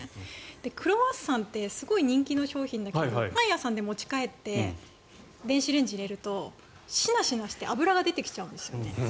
クロワッサンってすごい人気の商品ですがパン屋さんから持ち帰って電子レンジに入れるとしなしなして油が出てきちゃうんですね。